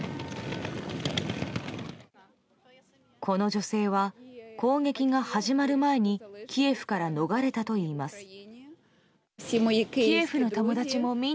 この女性は、攻撃が始まる前にキエフから逃れたといいます。